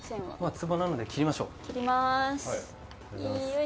つぼなので、切りましょう。